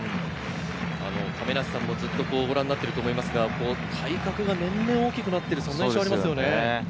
亀梨さんもご覧になっていると思いますが、体格が年々大きくなっている印象がありますよね。